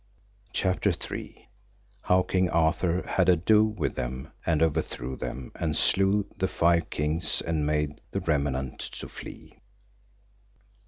CHAPTER III. How King Arthur had ado with them and overthrew them, and slew the five kings and made the remnant to flee.